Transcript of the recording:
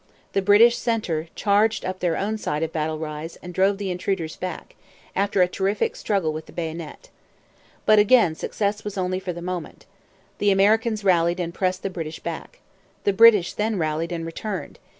The British centre charged up their own side of Battle Rise and drove the intruders back, after a terrific struggle with the bayonet. But again success was only for the moment. The Americans rallied and pressed the British back. The British then rallied and returned.